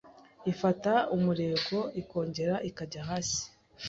ifata umurego ikongera ikajya hasi